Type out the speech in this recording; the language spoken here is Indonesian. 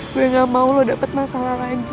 gue gak mau lu dapet masalah lagi